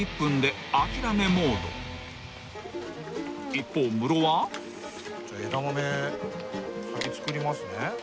［一方ムロは］じゃ枝豆先作りますね。